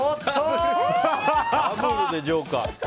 ダブルでジョーカー。